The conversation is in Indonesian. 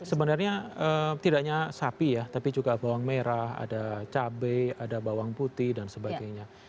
sebenarnya tidak hanya sapi ya tapi juga bawang merah ada cabai ada bawang putih dan sebagainya